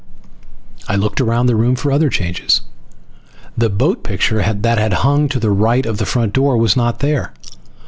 I looked around the room for other changes. The boat picture that had hung to the right of the front door was not there.